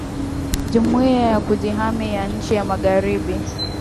Jumuia ya Kujihami ya nchi za magharibi